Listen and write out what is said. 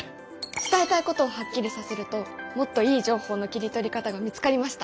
伝えたいことをはっきりさせるともっといい情報の切り取り方が見つかりました！